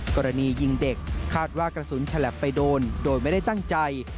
กรณียิงเด็กคาดว่ากระสุนฉลับไปโดนโดยไม่ได้ตั้งใจ